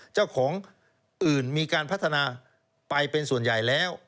เจ้าของอื่นมีการพัฒนาไปเป็นส่วนใหญ่แล้ว